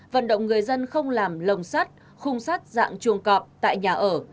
vận động người dân không làm lồng sắt khung sắt dạng chuồng cọp tại nhà ở